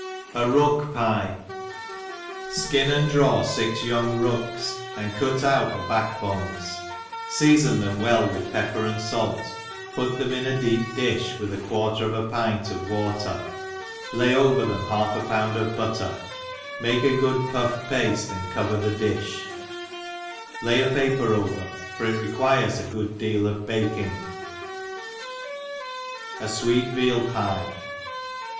A Rook Pye. SKIN and draw fix young rooks, and cut out the back bones, feafon them well with pepper and fait, put them in a deep difh with a quar ter of a pintof water, layover them half a pound of butter, make a good pufF pafte, and cover the di(h, lay a paper over, for it requires a good deal of baking. A fweet VealPye.